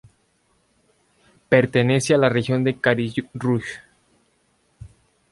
Pertenece a la región de Karlsruhe.